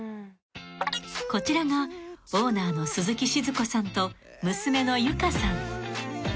［こちらがオーナーの鈴木静子さんと娘のゆかさん］